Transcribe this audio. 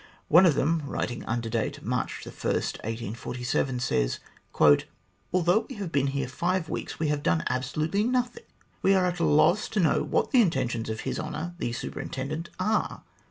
One of them, writing under date March 1, 1847, says :" Although we have been here five weeks, we have done absolutely nothing. We are at a loss to know what the intentions of His Honour the Superintendent are.